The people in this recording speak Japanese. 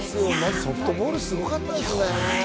ソフトボール、すごかったですね。